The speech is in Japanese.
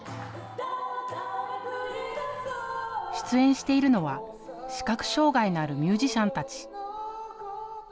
出演しているのは視覚障害のあるミュージシャンたち。